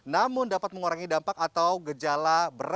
namun dapat mengurangi dampak atau gejala berat